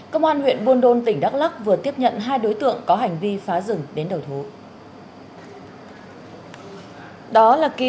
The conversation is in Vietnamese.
công an huyện buôn đôn tỉnh đắk lắc vừa tiếp nhận hai đối tượng có hành vi phá rừng đến đầu thú